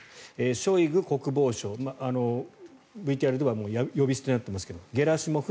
ショイグ国防相ＶＴＲではもう呼び捨てになっていますがゲラシモフ